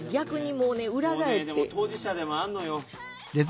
もうねでも当事者でもあんのよ。